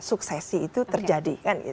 suksesi itu terjadi